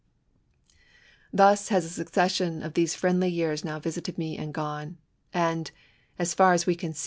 Thus has a succession of these friendly years now visited me and gone : and, as far as we can GOOD ^ND EVIL.